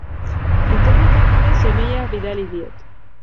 Interneten bidez emaila bidali diot.